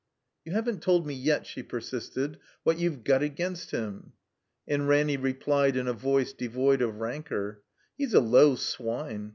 *'You haven't told me yet," she persisted, "what you've got against him." And Ranny replied in a voice devoid of rancor: "He's a low swine.